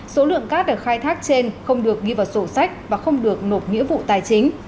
số lượng cát được khai thác trên không được ghi vào sổ sách và không được nộp nghĩa vụ tài chính